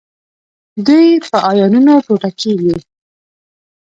دوی په آیونونو ټوټه کیږي.